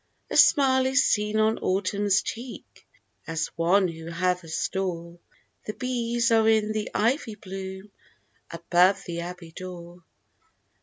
A smile is seen on Autumn's cheek, As one who hath a store ; The bees are in the ivy bloom, Above the abbey door.